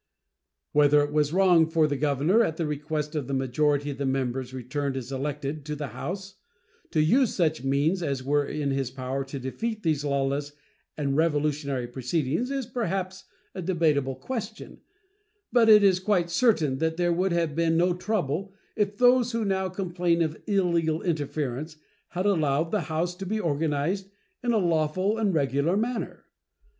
Whether it was wrong for the governor, at the request of the majority of the members returned as elected to the house, to use such means as were in his power to defeat these lawless and revolutionary proceedings is perhaps a debatable question; but it is quite certain that there would have been no trouble if those who now complain of illegal interference had allowed the house to be organized in a lawful and regular manner.